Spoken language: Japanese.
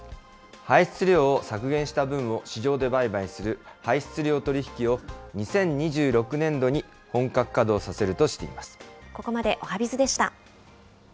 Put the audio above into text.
排出量を削減した分を市場で売買する排出量取り引きを、２０２６年度に本格稼働させるとしています。